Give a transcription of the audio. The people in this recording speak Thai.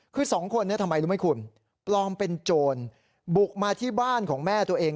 คือสองคนนี้ทำไมรู้ไหมคุณปลอมเป็นโจรบุกมาที่บ้านของแม่ตัวเอง